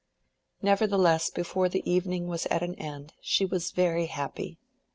Nevertheless before the evening was at an end she was very happy.